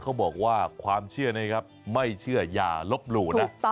พี่จงวัดก่อนบอกว่าความเชื่อนะครับไม่เชื่อย่าลบหลู่นะ